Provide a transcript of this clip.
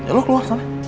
eh lu luar sana